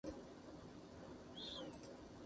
どうも、ゆっくり霊夢です。ゆっくり魔理沙だぜ